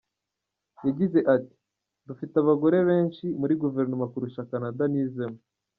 Yagize ati “Dufite abagore benshi muri Guverinoma kurusha Canada nizemo.